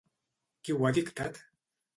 Qui ho ha dictat?